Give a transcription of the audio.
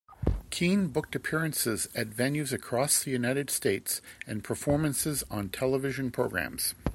Keane booked appearances at venues across the United States and performances on television programs.